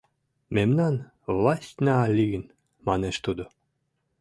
"Мемнан властьна лийын!" - манеш тудо.